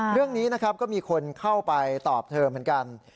เรื่องนี้นะครับก็มีคนเข้าไปตอบเธอเหมือนกัน